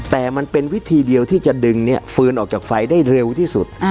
แต่มันเป็นวิธีเดียวที่จะดึงฟืนออกจากไฟได้เร็วที่สุด